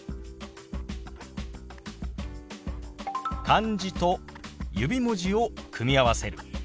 漢字と指文字を組み合わせる。